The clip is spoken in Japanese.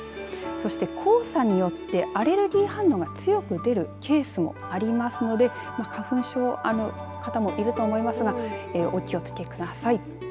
そして黄砂によってアレルギー反応が強く出るケースもありますので花粉症の方もいると思いますがお気を付けください。